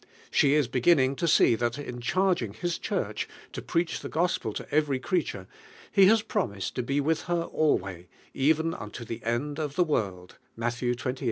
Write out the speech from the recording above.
She is beginning to see thai in charging Itis Church to preach the Gospel to every creature, lie has prom ised to be with her "alway, even unto the end of the world" (Matt xxviii.